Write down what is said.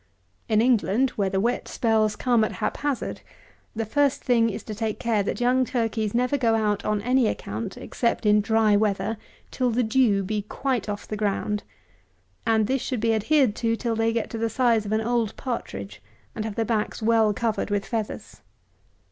In England, where the wet spells come at haphazard, the first thing is to take care that young turkeys never go out, on any account, except in dry weather, till the dew be quite off the ground; and this should be adhered to till they get to be of the size of an old partridge, and have their backs well covered with feathers.